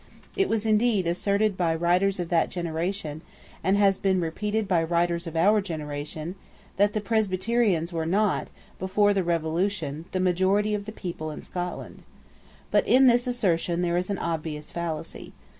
It was indeed asserted by writers of that generation, and has been repeated by writers of our generation, that the Presbyterians were not, before the Revolution, the majority of the people of Scotland, But in this assertion there is an obvious fallacy.